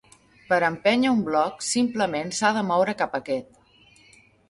Per empènyer un bloc, simplement s'ha de moure cap aquest.